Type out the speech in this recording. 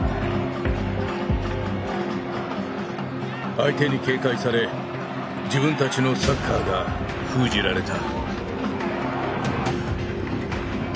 相手に警戒され自分たちのサッカーが封じられた。